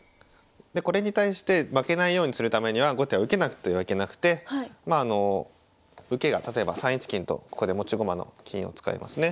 でこれに対して負けないようにするためには後手は受けなくてはいけなくて受けが例えば３一金とここで持ち駒の金を使いますね。